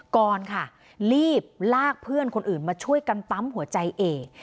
กรค่ะรีบลากเพื่อนคนอื่นมาช่วยกันปั๊มหัวใจเอก